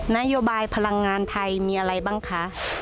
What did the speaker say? นโยบายพลังงานไทยมีอะไรบ้างคะ